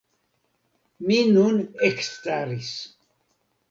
Mi nun ekstaris.